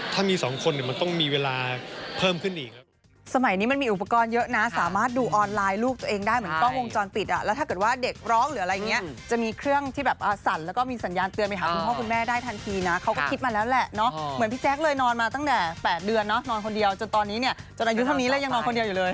ถ้ามีสองคนมันต้องมีเวลาเพิ่มขึ้นอีก